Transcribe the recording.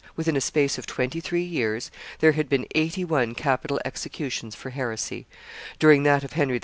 within a space of twenty three years, there had been eighty one capital executions for heresy; during that of Henry II.